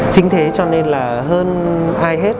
chính thế cho nên là hơn ai hết